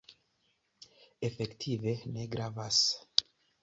Efektive ne gravas.